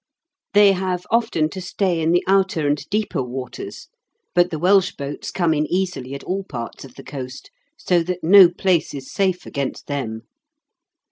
They have often to stay in the outer and deeper waters; but the Welsh boats come in easily at all parts of the coast, so that no place is safe against them.